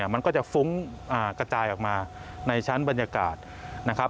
มันก็จะฟุ้งกระจายออกมาในชั้นบรรยากาศนะครับ